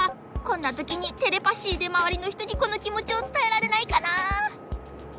こんなときにテレパシーでまわりのひとにこのきもちをつたえられないかな。